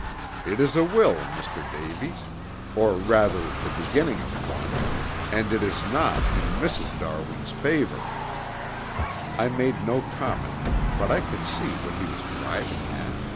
It is a will, Mr. Davies, or rather the beginning of one, and it is not in Mrs. Darwin's favor." I made no comment, but I could see what he was driving at.